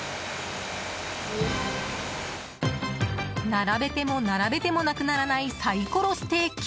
並べても、並べてもなくならないサイコロステーキ。